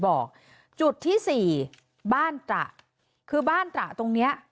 บอกจุดที่สี่บ้านตระคือบ้านตระตรงเนี้ย